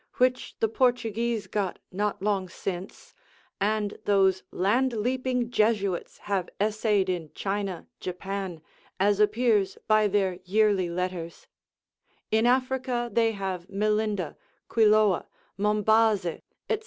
which the Portuguese got not long since, and those land leaping Jesuits have essayed in China, Japan, as appears by their yearly letters; in Africa they have Melinda, Quiloa, Mombaze, &c.